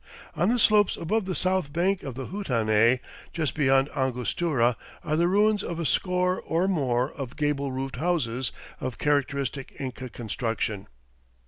On the slopes above the south bank of the Huatanay, just beyond Angostura, are the ruins of a score or more of gable roofed houses of characteristic Inca construction.